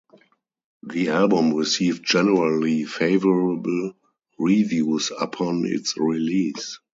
The album received generally favorable reviews upon its release.